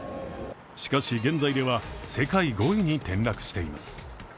しかし、現在では世界５位に転落しています。